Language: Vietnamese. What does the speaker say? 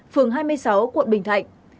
phường hai mươi sáu quận bình thạnh